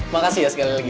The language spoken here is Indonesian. makasih ya sekali lagi